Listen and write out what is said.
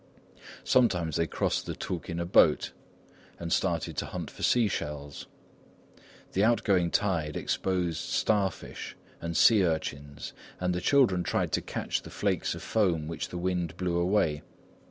Sometimes they crossed the Toucques in a boat, and started to hunt for seashells. The outgoing tide exposed starfish and sea urchins, and the children tried to catch the flakes of foam which the wind blew away.